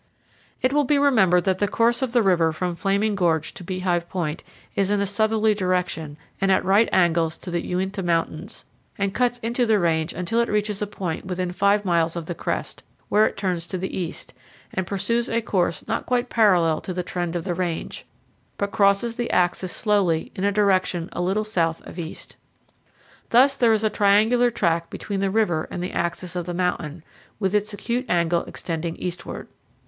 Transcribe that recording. It will be remembered that the course of the river from Flaming Gorge to Beehive Point is in a southerly direction and at right angles to the Uinta Mountains, and cuts into the range until it reaches a point within five miles of the crest, where it turns to the east and pursues a course not quite parallel to the trend of the range, but crosses the axis slowly in a direction a little south of east. Thus there is a triangular tract between the river and the axis of the mountain, with its acute angle extending eastward.